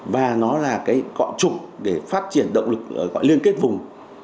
và nó là cái cọ trục để phát triển động lực liên kết vùng